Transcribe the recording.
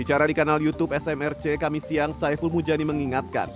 bicara di kanal youtube smrc kami siang saiful mujani mengingatkan